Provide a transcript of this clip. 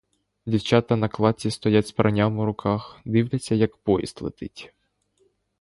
Дівчата на кладці стоять з пранням у руках, дивляться, як поїзд летить.